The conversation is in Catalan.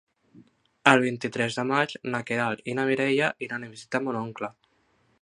El vint-i-tres de maig na Queralt i na Mireia iran a visitar mon oncle.